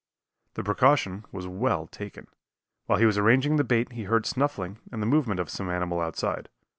The precaution was well taken. While he was arranging the bait he heard snuffling and the movement of some animal outside.